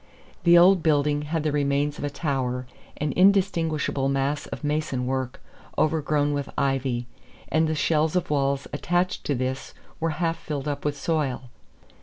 The old building had the remains of a tower, an indistinguishable mass of mason work, over grown with ivy; and the shells of walls attached to this were half filled up with soil.